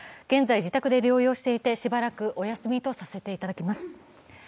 現在、自宅で療養していてしばらくお休みとさせていただきます。